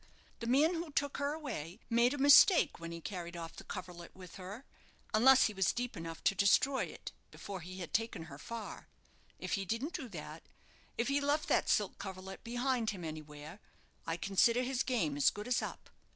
The man who took her away made a mistake when he carried off the coverlet with her, unless he was deep enough to destroy it before he had taken her far. If he didn't do that if he left that silk coverlet behind him anywhere, I consider his game as good as up.